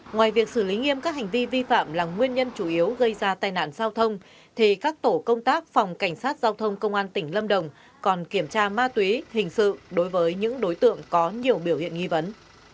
ngoài việc xử lý nghiêm các hành vi vi phạm là nguyên nhân chủ yếu gây ra tai nạn giao thông thì các tổ công tác phòng cảnh sát giao thông công an tỉnh lâm đồng còn kiểm tra ma túy hình sự đối với những đối tượng có nhiều biểu hiện nghi vấn